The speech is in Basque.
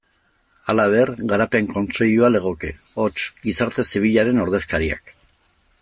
Halaber, Garapen Kontseilua legoke, hots, gizarte zibilaren ordezkariak.